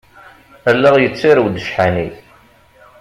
Allaɣ yettarew-d ccḥani.